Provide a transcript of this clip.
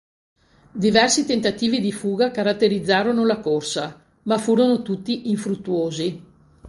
Diversi tentativi di fuga caratterizzarono la corsa, ma furono tutti infruttuosi.